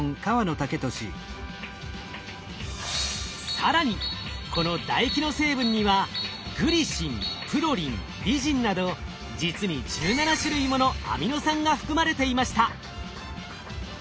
更にこの唾液の成分にはグリシンプロリンリジンなど実に１７種類ものアミノ酸が含まれていました。